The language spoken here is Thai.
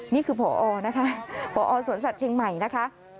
นี่คือพอนะคะพอสวนสัตว์เชียงใหม่นะคะ